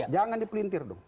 jangan dipelintir dong